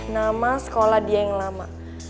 nama sekolah dia yang lama